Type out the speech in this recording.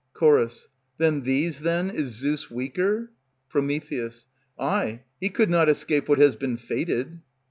Ch. Than these, then, is Zeus weaker? Pr. Ay, he could not escape what has been fated.